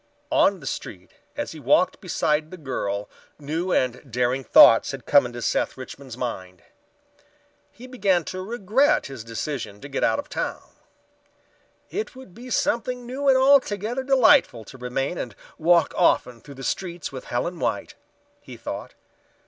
On the street as he walked beside the girl new and daring thoughts had come into Seth Richmond's mind. He began to regret his decision to get out of town. "It would be something new and altogether delightful to remain and walk often through the streets with Helen White," he thought.